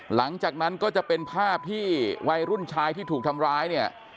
หลังจากนั้นก็จะเป็นภาพที่วัยรุ่นชายที่ถูกทำร้ายเนี่ย